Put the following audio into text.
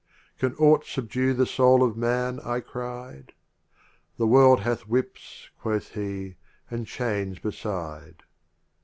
"Can aught subdue the soul of Man? I cried. "The world hath whips, quoth he, "and chains beside.